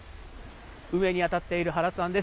運営に当たっている原さんです。